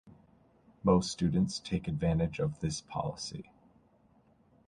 Most student take advantage of this policy.